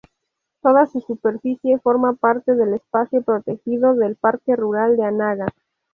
Toda su superficie forma parte del espacio protegido del Parque Rural de Anaga.